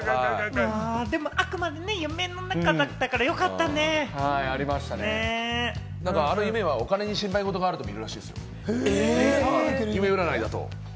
あくまで夢の中だったから、あの夢はお金で心配事があるときに見るらしいですよ、夢占いだと。